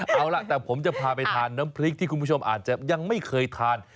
เอาล่ะแต่ผมจะพาไปทานน้ำพริกที่คุณผู้ชมอาจจะยังไม่เคยทาน